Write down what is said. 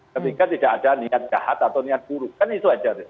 ketika tidak ada niat jahat atau niat buruk kan itu aja